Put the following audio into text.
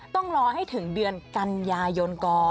ต้องรอให้ถึงเดือนกันยายนก่อน